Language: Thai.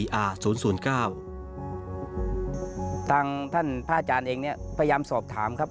ทางท่านพระอาจารย์เองเนี้ยพยายามสอบถามครับ